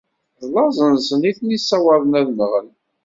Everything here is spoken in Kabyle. D laẓ nsen i ten-issawaḍen ad nɣen.